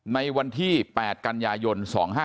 ในวันที่๘กันยายน๒๕๕๙